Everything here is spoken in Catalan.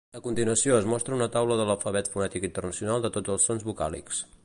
A continuació es mostra una taula de l'Alfabet fonètic internacional de tots els sons vocàlics.